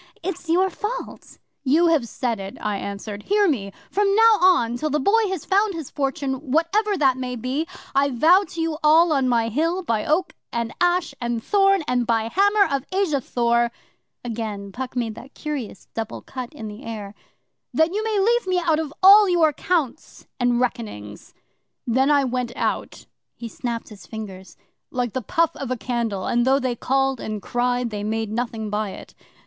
It's your fault." '"You have said it," I answered. "Hear me! From now on till the Boy has found his fortune, whatever that may be, I vow to you all on my Hill, by Oak, and Ash, and Thorn, and by the Hammer of Asa Thor" again Puck made that curious double cut in the air '"that you may leave me out of all your counts and reckonings." Then I went out' he snapped his fingers 'like the puff of a candle, and though they called and cried, they made nothing by it.